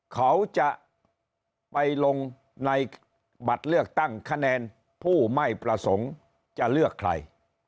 เขาจะไปลงในบัตรเลือกตั้งคะแนนผู้ไม่ประสงค์จะเลือกใคร